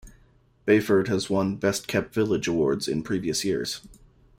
Bayford has won 'best kept village' awards in previous years.